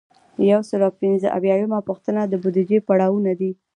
یو سل او پنځه اویایمه پوښتنه د بودیجې پړاوونه دي.